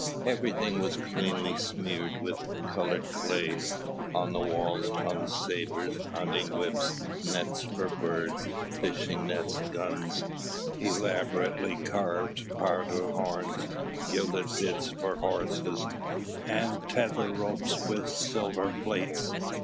Everything was cleanly smeared with coloured clay. On the walls hung sabres, hunting whips, nets for birds, fishing nets, guns, elaborately carved powder horns, gilded bits for horses, and tether ropes with silver plates.